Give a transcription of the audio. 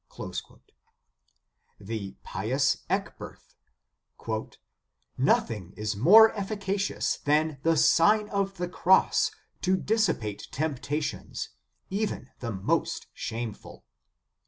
"* The pious Ecberth : "Nothing is more efficacious than the Sign ot the Cross to dissipate temptations, even the most shame ful.